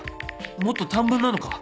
もっと短文なのか